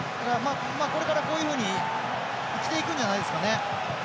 これからこういうふうに生きてくるんじゃないですかね。